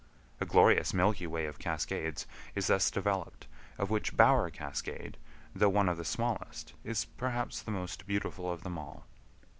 A glorious milky way of cascades is thus developed, of which Bower Cascade, though one of the smallest, is perhaps the most beautiful of them all.